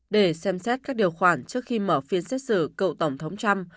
để xem xét các điều khoản trước khi mở phiên xét xử cựu tổng thống trump